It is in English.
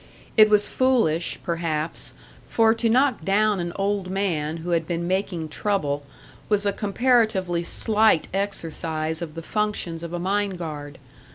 It was foolish, perhaps; for to knock down an old man who had been making trouble was a comparatively slight exercise of the functions of a mine guard.